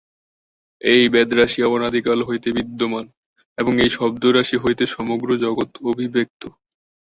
এই বেদরাশি অনাদিকাল হইতে বিদ্যমান এবং এই শব্দরাশি হইতে সমগ্র জগৎ অভিব্যক্ত।